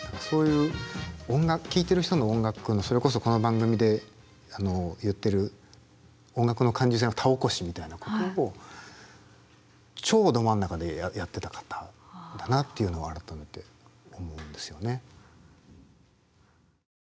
そういう音楽聴いてる人の音楽のそれこそこの番組で言ってる音楽の感受性の田起こしみたいなことを超ど真ん中でやってた方だなっていうのは改めて思うんですよね。